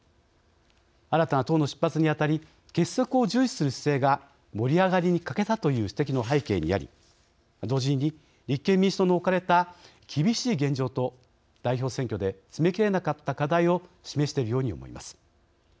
新たな党の出発にあたり結束を重視する姿勢が盛り上がりに欠けたという指摘の背景にあり同時に、立憲民主党の置かれた厳しい現状と代表選挙で詰め切れなかった課題を示しているように思います。